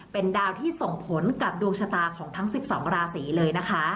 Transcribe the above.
เป็นดาวที่ส่งผลกับดวงชะตาของทั้ง๑๒ราศีเลยนะคะ